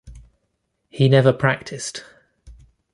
He never practiced.